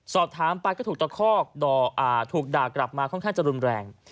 สอบถามไปก็ถูกตะคอกถูกด่ากลับมาค่อนข้างจะรุนแรง